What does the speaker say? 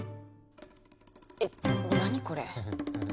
えっ何これ。